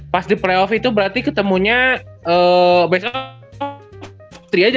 pas di playoff itu berarti ketemunya best of tiga aja